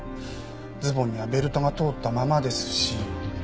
ズボンにはベルトが通ったままですし。